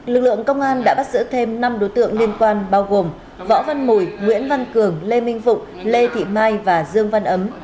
lực lượng công an đã bắt giữ thêm năm đối tượng liên quan bao gồm võ văn mùi nguyễn văn cường lê minh phụng lê thị mai và dương văn ấm